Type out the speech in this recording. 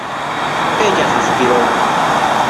ella suspiró: